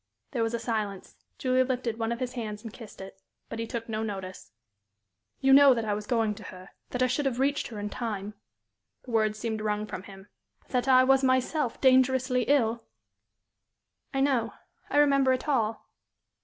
There was a silence. Julie lifted one of his hands and kissed it. But he took no notice. "You know that I was going to her, that I should have reached her in time" the words seemed wrung from him "but that I was myself dangerously ill?" "I know. I remember it all."